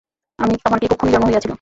আমার কি কুক্ষণেই জন্ম হইয়াছিল!